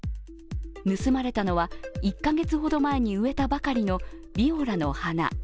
盗まれたのは１カ月ほど前に植えたばかりのビオラの花。